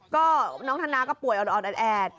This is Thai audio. ก็น้องธนาก็ป่วยออดแอด